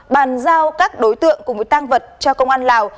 bàn giao các đối tượng cùng với tang vật cho công an lào